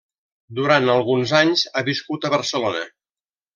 Durant alguns anys ha viscut a Barcelona.